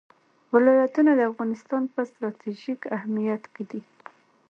ولایتونه د افغانستان په ستراتیژیک اهمیت کې دي.